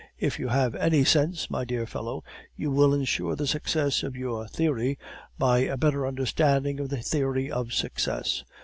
If you have any sense, my dear fellow, you will ensure the success of your "Theory," by a better understanding of the theory of success.